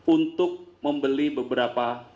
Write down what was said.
untuk membeli beberapa perintah